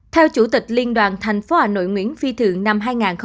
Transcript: theo chủ tịch liên đoàn thành phố hà nội nguyễn phi thường năm hai nghìn hai mươi một